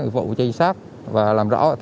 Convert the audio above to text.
các biện pháp nghiệp vụ truy sát và làm rõ